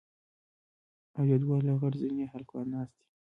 او يو دوه لغړ زني هلکان ناست دي.